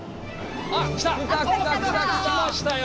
あ来た！来ましたよ！